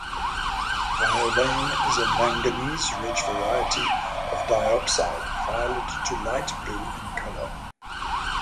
"Violane" is a manganese-rich variety of diopside, violet to light blue in color.